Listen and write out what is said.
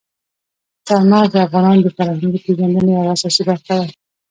چار مغز د افغانانو د فرهنګي پیژندنې یوه اساسي برخه ده.